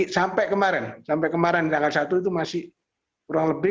sampai kemarin tanggal satu itu masih kurang lebih